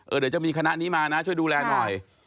เดี๋ยวจะมีคณะนี้มานะช่วยดูแลหน่อย